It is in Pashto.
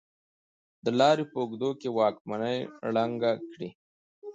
د لارې په اوږدو کې واکمنۍ ړنګې کړې.